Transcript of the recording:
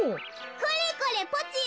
「これこれポチよ